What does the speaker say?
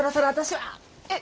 えっ？